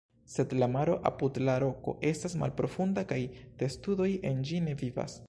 Sed la maro apud la roko estas malprofunda kaj testudoj en ĝi ne vivas.